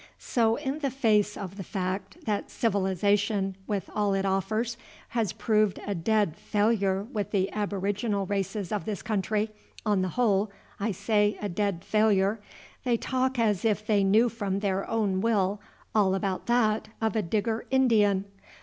So in the face of the fact that civilization with all it offers has proved a dead failure with the aboriginal races of this country, on the whole, I say, a dead failure, they talk as if they knew from their own will all about that of a Digger Indian!